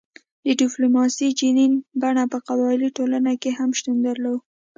د ډیپلوماسي جنین بڼه په قبایلي ټولنه کې هم شتون درلود